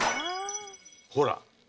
ほら。